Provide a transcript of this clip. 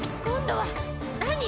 今度は何？